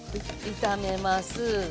炒めます。